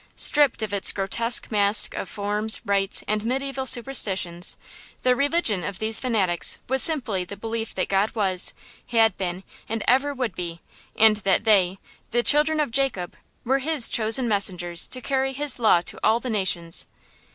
Stripped of its grotesque mask of forms, rites, and mediæval superstitions, the religion of these fanatics was simply the belief that God was, had been, and ever would be, and that they, the children of Jacob, were His chosen messengers to carry His Law to all the nations.